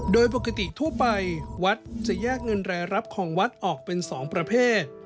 โดยปกติทั่วไปวัดจะแยกเงินรายรับของวัดออกเป็น๒ประเภท